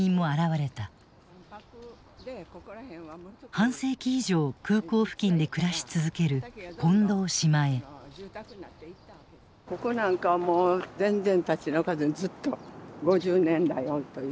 半世紀以上空港付近で暮らし続けるここなんかもう全然立ち退かずにずっと５０年来おるという。